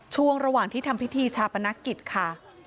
ช่วงระหว่างที่ทำพิธีชาปนกิจค่ะ